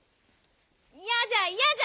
いやじゃいやじゃ！